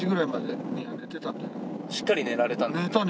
しっかり寝られたんですね。